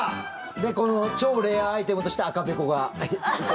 で、この超レアアイテムとして赤べこがいて。